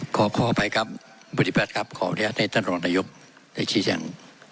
ขอข้อไปครับบฏิพัฒน์ครับขออนุญาตในตั้งต่อหน่ายมอจิจัง